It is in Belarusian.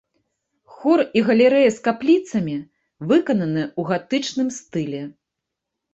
Хор і галерэя з капліцамі выкананы ў гатычным стылі.